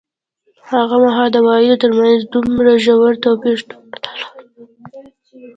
هغه مهال د عوایدو ترمنځ دومره ژور توپیر شتون نه درلود.